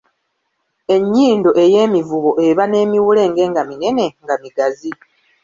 Ennyindo ey’emivubo eba n’emiwulenge nga minene nga migazi.